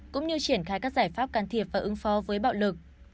cũng như triển khai các giải pháp can thiệp và ứng phó với bạo lực